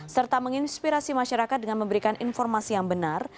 serta menginspirasi masyarakat dengan memberikan informasi yang benar